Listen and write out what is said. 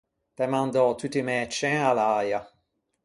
T’æ mandou tutti i mæ cen à l’äia.